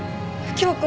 京子？